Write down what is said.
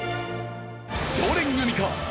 常連組か？